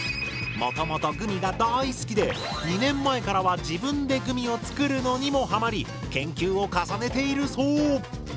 もともとグミが大好きで２年前からは自分でグミを作るのにもハマり研究を重ねているそう！